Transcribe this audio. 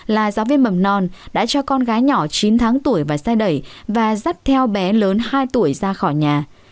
là giáo viên mầm non đã cho con gái nhỏ chín tháng tuổi và say đẩy và dắt theo bé lớn hai tuổi ra khỏi nhà